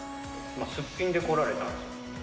すっぴんで来られたんですよね。